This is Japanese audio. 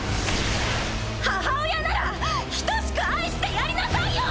母親なら等しく愛してやりなさいよ！